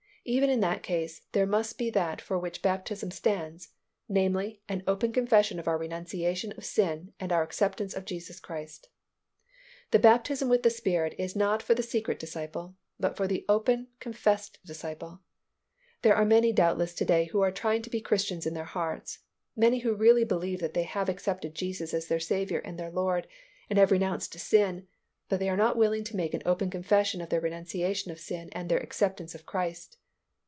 Even in that case, there must be that for which baptism stands, namely, an open confession of our renunciation of sin and our acceptance of Jesus Christ. The baptism with the Spirit is not for the secret disciple, but for the open confessed disciple. There are many doubtless to day who are trying to be Christians in their hearts, many who really believe that they have accepted Jesus as their Saviour and their Lord and have renounced sin, but they are not willing to make an open confession of their renunciation of sin and their acceptance of Christ.